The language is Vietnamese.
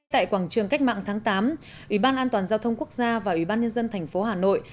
tại quảng trường cách mạng tháng tám ủy ban an toàn giao thông quốc gia và ủy ban nhân dân thành phố hà nội